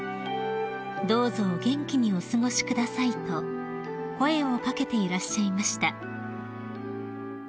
「どうぞお元気にお過ごしください」と声を掛けていらっしゃいました］